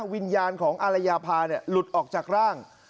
วิญญาณของอารยาพาหลุดออกจากร่าง